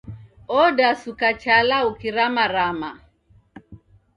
Odasuka chala ukiramarama